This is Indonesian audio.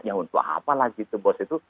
yang untuk apa lagi itu bos itu